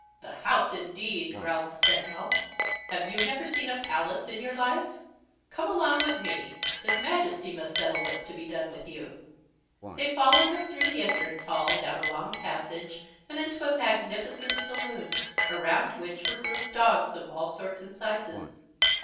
"The house, indeed!" growled the Sentinel. "Have you never seen a Palace in your life? Come along with me! His Majesty must settle what's to be done with you." They followed him through the entrance hall, down a long passage, and into a magnificent Saloon, around which were grouped dogs of all sorts and sizes.